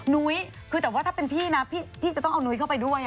นุ้ยคือแต่ว่าถ้าเป็นพี่นะพี่จะต้องเอานุ้ยเข้าไปด้วย